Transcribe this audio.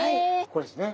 これですね。